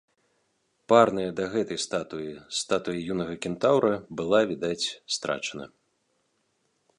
Парная да гэтай статуі статуя юнага кентаўра была, відаць, страчана.